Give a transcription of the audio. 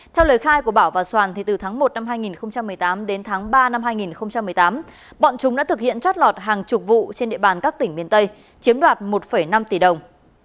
theo lời khai của bảo và soàn từ tháng một năm hai nghìn một mươi tám đến tháng ba năm hai nghìn một mươi tám bọn chúng đã thực hiện trót lọt hàng chục vụ trên địa bàn các tỉnh miền tây chiếm đoạt một năm tỷ đồng